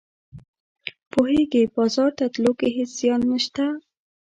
پوهیږې بازار ته تلو کې هیڅ زیان نشته